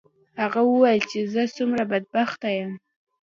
هغه وویل چې زه څومره بدبخته یم.